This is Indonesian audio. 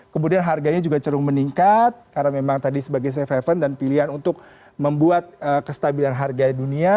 kemudian harganya juga cerung meningkat karena memang tadi sebagai safe haven dan pilihan untuk membuat kestabilan harga dunia